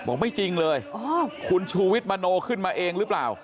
ไม่จริงเลยคุณชูวิทย์มโนขึ้นมาเองหรือเปล่า